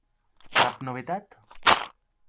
Cap novetat?